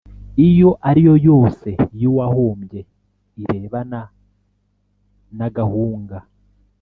Iyo ari yo yose y uwahombye irebana nagahunga